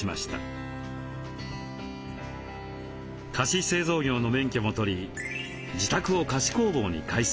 菓子製造業の免許も取り自宅を菓子工房に改装。